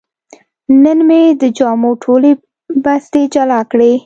نن مې د جامو ټولې بستې جلا کړې.